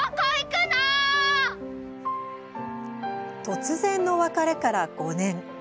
突然の別れから５年。